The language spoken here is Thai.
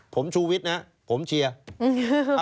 ผมชูวิทย์นะผมเชียร์